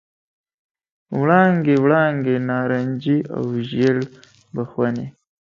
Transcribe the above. وړانګې، وړانګې نارنجي او ژړ بخونې،